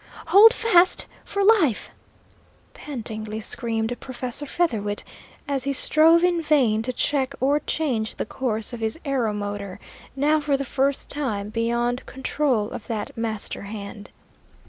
"Hold fast for life!" pantingly screamed Professor Featherwit, as he strove in vain to check or change the course of his aeromotor, now for the first time beyond control of that master hand.